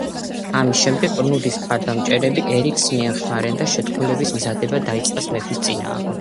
ამის შემდეგ, კნუდის მხარდამჭერები ერიკს მიემხრნენ და შეთქმულების მზადება დაიწყეს მეფის წინააღმდეგ.